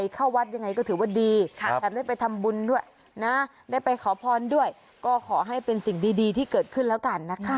ก็แวะไปค่า